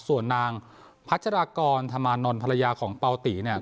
ส่วนนางพัชรากรธรรมานนท์ภรรยาของเปล่าตีเนี่ย